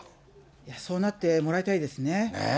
そうなってもらいたいですね。